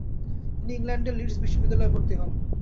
তিনি ইংল্যান্ডের লীডস বিশ্ববিদ্যালয়ে ভর্তি হন।